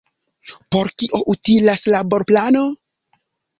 Por kio utilas laborplano?